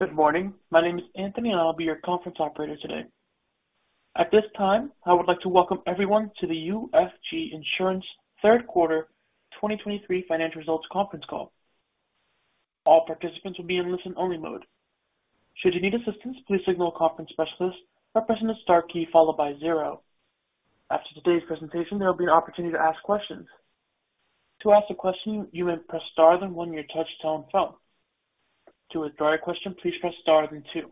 Good morning. My name is Anthony, and I'll be your conference operator today. At this time, I would like to welcome everyone to the UFG Insurance Third Quarter 2023 Financial Results Conference call. All participants will be in listen-only mode. Should you need assistance, please signal a conference specialist by pressing the star key followed by zero. After today's presentation, there will be an opportunity to ask questions. To ask a question, you may press star, then one your touchtone phone. To withdraw your question, please press star then two.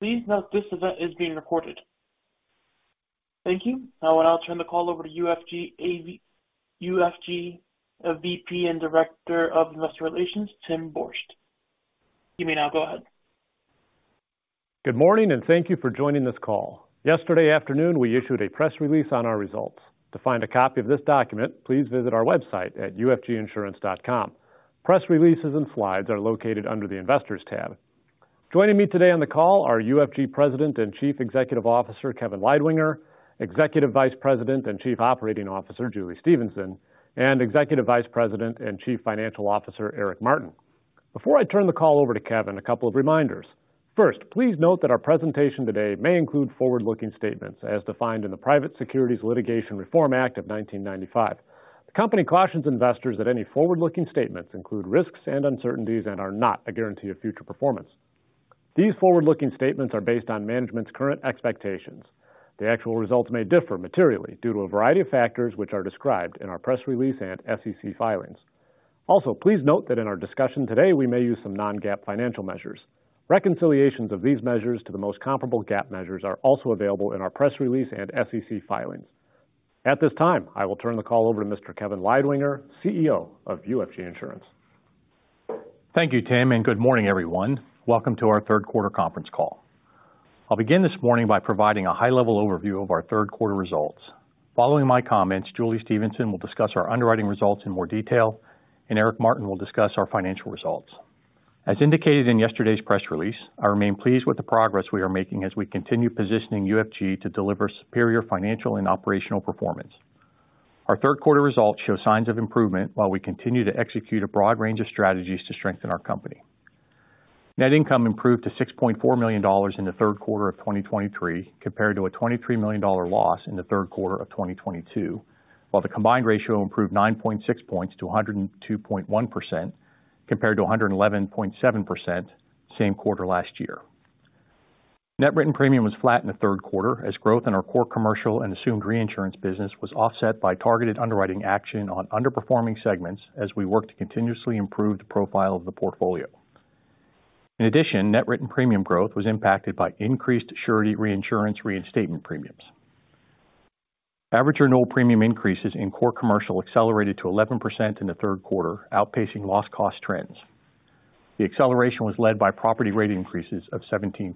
Please note this event is being recorded. Thank you. Now, I'll turn the call over to UFG VP and Director of Investor Relations, Tim Borst. You may now go ahead. Good morning, and thank you for joining this call. Yesterday afternoon, we issued a press release on our results. To find a copy of this document, please visit our website at UFGinsurance.com. Press releases and slides are located under the Investors tab. Joining me today on the call are UFG President and Chief Executive Officer, Kevin Leidwinger; Executive Vice President and Chief Operating Officer, Julie Stephenson; and Executive Vice President and Chief Financial Officer, Eric Martin. Before I turn the call over to Kevin, a couple of reminders. First, please note that our presentation today may include forward-looking statements as defined in the Private Securities Litigation Reform Act of 1995. The company cautions investors that any forward-looking statements include risks and uncertainties and are not a guarantee of future performance. These forward-looking statements are based on management's current expectations. The actual results may differ materially due to a variety of factors, which are described in our press release and SEC filings. Also, please note that in our discussion today, we may use some non-GAAP financial measures. Reconciliations of these measures to the most comparable GAAP measures are also available in our press release and SEC filings. At this time, I will turn the call over to Mr. Kevin Leidwinger, CEO of UFG Insurance. Thank you, Tim, and good morning, everyone. Welcome to our Third Quarter Conference call. I'll begin this morning by providing a high-level overview of our third quarter results. Following my comments, Julie Stephenson will discuss our underwriting results in more detail, and Eric Martin will discuss our financial results. As indicated in yesterday's press release, I remain pleased with the progress we are making as we continue positioning UFG to deliver superior financial and operational performance. Our third quarter results show signs of improvement while we continue to execute a broad range of strategies to strengthen our company. Net income improved to $6.4 million in the third quarter of 2023, compared to a $23 million loss in the third quarter of 2022, while the combined ratio improved 9.6 points to 102.1%, compared to 111.7%, same quarter last year. Net written premium was flat in the third quarter, as growth in our core commercial and assumed reinsurance business was offset by targeted underwriting action on underperforming segments as we work to continuously improve the profile of the portfolio. In addition, net written premium growth was impacted by increased surety reinsurance reinstatement premiums. Average renewal premium increases in core commercial accelerated to 11% in the third quarter, outpacing loss cost trends. The acceleration was led by property rate increases of 17%.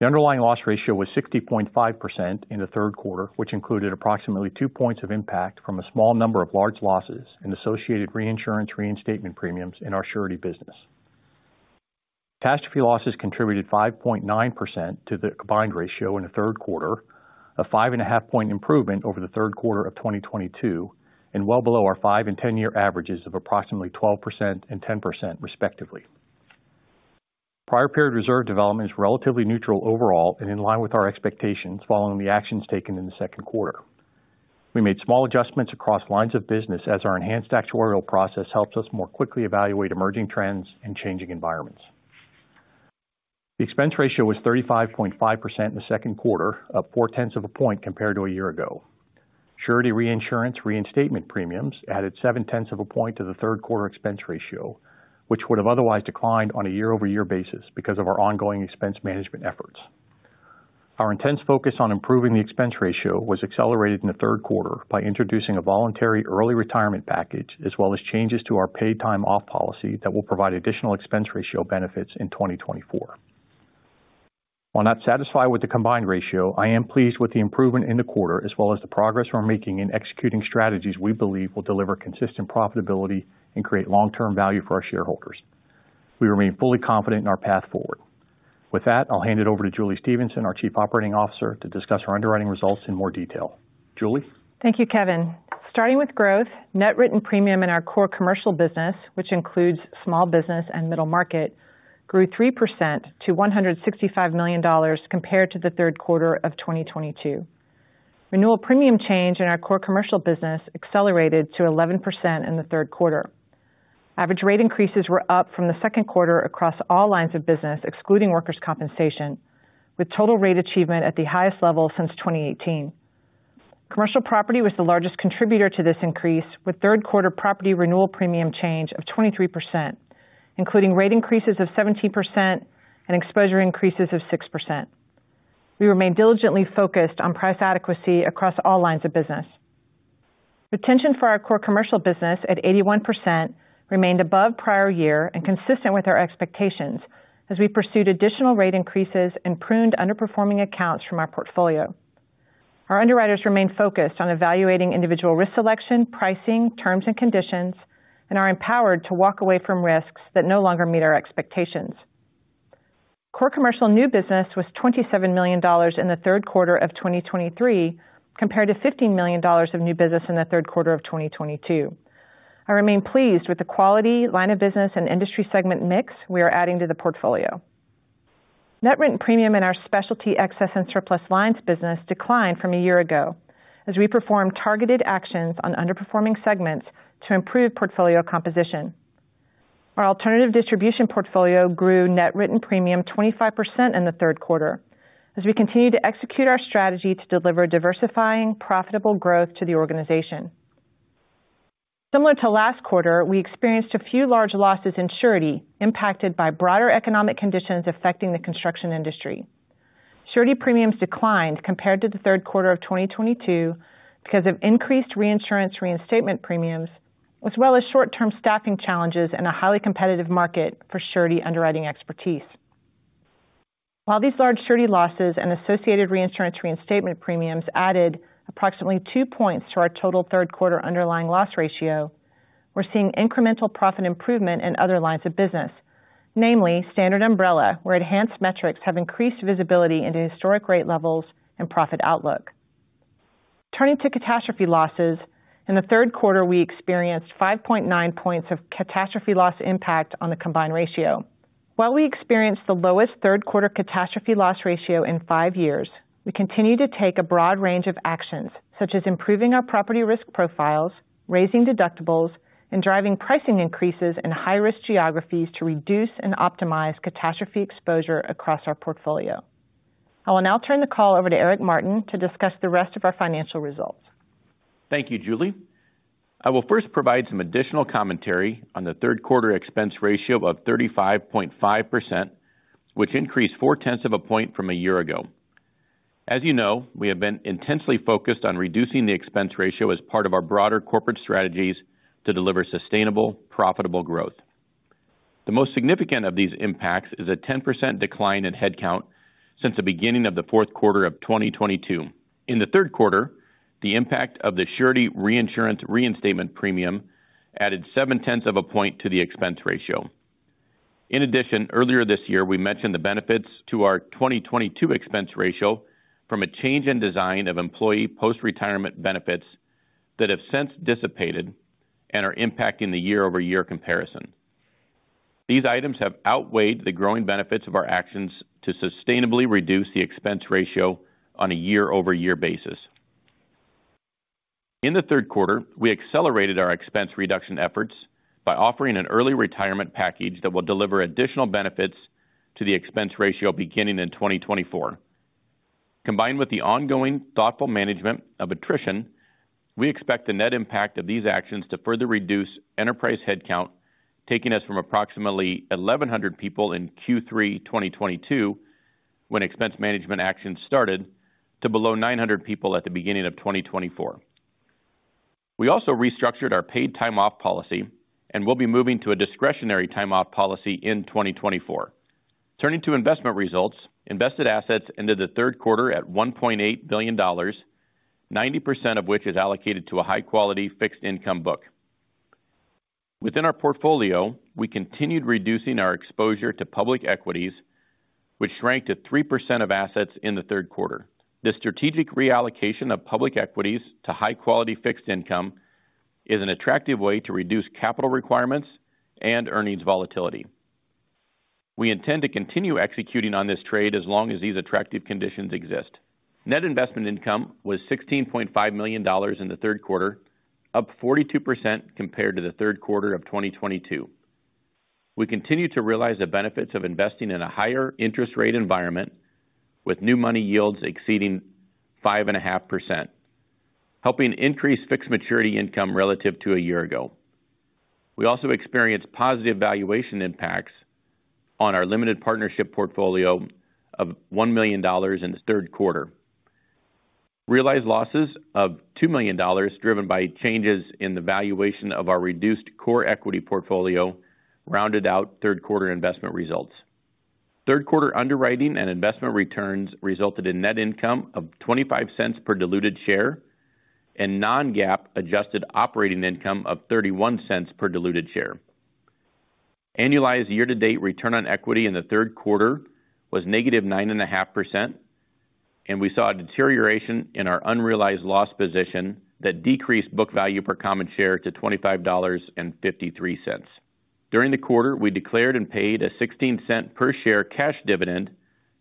The underlying loss ratio was 60.5% in the third quarter, which included approximately 2 points of impact from a small number of large losses and associated reinsurance reinstatement premiums in our surety business. Catastrophe losses contributed 5.9% to the combined ratio in the third quarter, a 5.5-point improvement over the third quarter of 2022, and well below our five and 10-year averages of approximately 12% and 10%, respectively. Prior period reserve development is relatively neutral overall and in line with our expectations following the actions taken in the second quarter. We made small adjustments across lines of business as our enhanced actuarial process helps us more quickly evaluate emerging trends and changing environments. The expense ratio was 35.5% in the second quarter, up 0.4 of a point compared to a year ago. Surety reinsurance reinstatement premiums added seven-tenths of a point to the third quarter expense ratio, which would have otherwise declined on a year-over-year basis because of our ongoing expense management efforts. Our intense focus on improving the expense ratio was accelerated in the third quarter by introducing a voluntary early retirement package, as well as changes to our paid time off policy that will provide additional expense ratio benefits in 2024. While not satisfied with the combined ratio, I am pleased with the improvement in the quarter, as well as the progress we're making in executing strategies we believe will deliver consistent profitability and create long-term value for our shareholders. We remain fully confident in our path forward. With that, I'll hand it over to Julie Stephenson, our Chief Operating Officer, to discuss our underwriting results in more detail. Julie? Thank you, Kevin. Starting with growth, net written premium in our core commercial business, which includes small business and middle market, grew 3% to $165 million compared to the third quarter of 2022. Renewal premium change in our core commercial business accelerated to 11% in the third quarter. Average rate increases were up from the second quarter across all lines of business, excluding workers' compensation, with total rate achievement at the highest level since 2018. Commercial property was the largest contributor to this increase, with third quarter property renewal premium change of 23%, including rate increases of 17% and exposure increases of 6%. We remain diligently focused on price adequacy across all lines of business. Retention for our core commercial business at 81%, remained above prior year and consistent with our expectations as we pursued additional rate increases and pruned underperforming accounts from our portfolio. Our underwriters remain focused on evaluating individual risk selection, pricing, terms, and conditions, and are empowered to walk away from risks that no longer meet our expectations. Core commercial new business was $27 million in the third quarter of 2023, compared to $15 million of new business in the third quarter of 2022. I remain pleased with the quality, line of business, and industry segment mix we are adding to the portfolio. Net written premium in our specialty excess and surplus lines business declined from a year ago, as we performed targeted actions on underperforming segments to improve portfolio composition. Our alternative distribution portfolio grew net written premium 25% in the third quarter, as we continued to execute our strategy to deliver diversifying, profitable growth to the organization. Similar to last quarter, we experienced a few large losses in surety, impacted by broader economic conditions affecting the construction industry. Surety premiums declined compared to the third quarter of 2022 because of increased reinsurance reinstatement premiums, as well as short-term staffing challenges in a highly competitive market for surety underwriting expertise. While these large surety losses and associated reinsurance reinstatement premiums added approximately two points to our total third quarter underlying loss ratio, we're seeing incremental profit improvement in other lines of business, namely standard umbrella, where enhanced metrics have increased visibility into historic rate levels and profit outlook. Turning to catastrophe losses, in the third quarter, we experienced 5.9 points of catastrophe loss impact on the combined ratio. While we experienced the lowest third quarter catastrophe loss ratio in five years, we continue to take a broad range of actions, such as improving our property risk profiles, raising deductibles, and driving pricing increases in high-risk geographies to reduce and optimize catastrophe exposure across our portfolio. I will now turn the call over to Eric Martin to discuss the rest of our financial results. Thank you, Julie. I will first provide some additional commentary on the third quarter expense ratio of 35.5%, which increased 0.4 of a point from a year ago. As you know, we have been intensely focused on reducing the expense ratio as part of our broader corporate strategies to deliver sustainable, profitable growth. The most significant of these impacts is a 10% decline in headcount since the beginning of the fourth quarter of 2022. In the third quarter, the impact of the surety reinsurance reinstatement premium added 0.7 of a point to the expense ratio. In addition, earlier this year, we mentioned the benefits to our 2022 expense ratio from a change in design of employee post-retirement benefits that have since dissipated and are impacting the year-over-year comparison. These items have outweighed the growing benefits of our actions to sustainably reduce the expense ratio on a year-over-year basis. In the third quarter, we accelerated our expense reduction efforts by offering an early retirement package that will deliver additional benefits to the expense ratio beginning in 2024. Combined with the ongoing thoughtful management of attrition, we expect the net impact of these actions to further reduce enterprise headcount, taking us from approximately 1,100 people in Q3 2022, when expense management actions started, to below 900 people at the beginning of 2024. We also restructured our paid time off policy and will be moving to a discretionary time off policy in 2024. Turning to investment results, invested assets ended the third quarter at $1.8 billion, 90% of which is allocated to a high-quality fixed income book. Within our portfolio, we continued reducing our exposure to public equities, which shrank to 3% of assets in the third quarter. The strategic reallocation of public equities to high-quality fixed income is an attractive way to reduce capital requirements and earnings volatility. We intend to continue executing on this trade as long as these attractive conditions exist. Net investment income was $16.5 million in the third quarter, up 42% compared to the third quarter of 2022. We continue to realize the benefits of investing in a higher interest rate environment with new money yields exceeding 5.5%, helping increase fixed maturity income relative to a year ago. We also experienced positive valuation impacts on our limited partnership portfolio of $1 million in the third quarter. Realized losses of $2 million, driven by changes in the valuation of our reduced core equity portfolio, rounded out third quarter investment results. Third quarter underwriting and investment returns resulted in net income of $0.25 per diluted share and non-GAAP adjusted operating income of $0.31 per diluted share. Annualized year-to-date return on equity in the third quarter was -9.5%, and we saw a deterioration in our unrealized loss position that decreased book value per common share to $25.53. During the quarter, we declared and paid a 16-cent per share cash dividend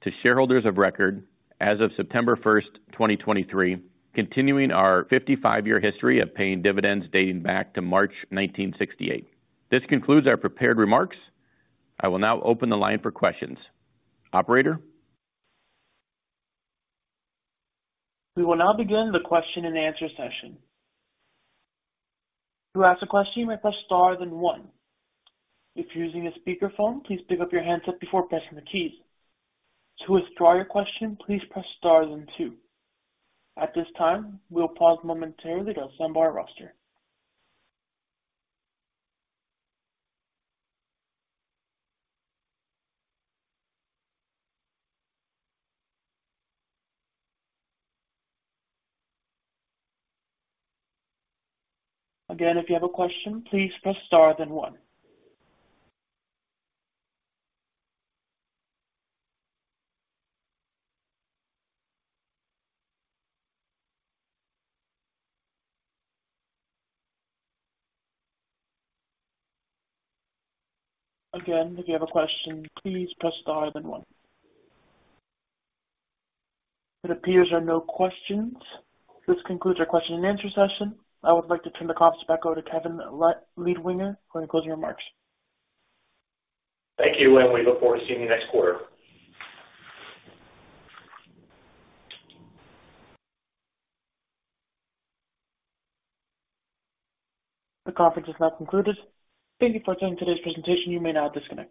to shareholders of record as of September 1, 2023, continuing our 55-year history of paying dividends dating back to March 1968. This concludes our prepared remarks. I will now open the line for questions. Operator? We will now begin the question-and-answer session. To ask a question, you may press star, then one. If you're using a speakerphone, please pick up your handset before pressing the keys. To withdraw your question, please press star then two. At this time, we'll pause momentarily to assemble our roster. Again, if you have a question, please press star, then one. Again, if you have a question, please press star, then one. It appears there are no questions. This concludes our question-and-answer session. I would like to turn the conference back over to Kevin Leidwinger for any closing remarks. Thank you, and we look forward to seeing you next quarter. The conference is now concluded. Thank you for joining today's presentation. You may now disconnect.